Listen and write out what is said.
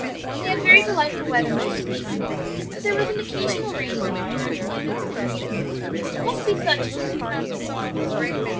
They had very delightful weather most of the time, but there was an occasional rainy day when their employments and amusements must be such as could be found within doors.